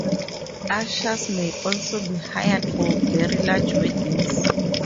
Ushers may also be hired for very large weddings.